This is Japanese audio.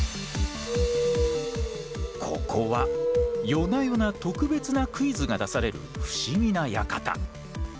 ここは夜な夜な特別なクイズが出される不思議な館。